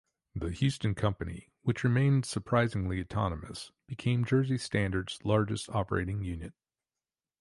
The Houston company, which remained surprisingly autonomous, became Jersey Standard's largest operating unit.